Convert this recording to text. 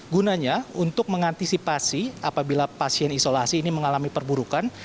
gunanya untuk mengantisipasi apabila pasien isolasi ini mengalami perburukan